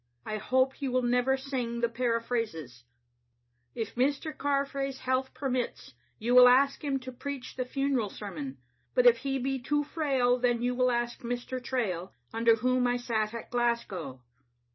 I hope he will never sing the paraphrases. " If Mr. Carfrae's health permits, you will ask him to preach the funeral sermon ; but if he be too frail, then you will ask. Mr. Trail, under whom I sat in Glasgow.